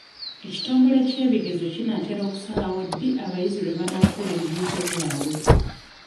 Ekitongole ky'ebigezo kinaatera okusalawo ddi abayizi lwe banaatuula ebibuuzo byabwe.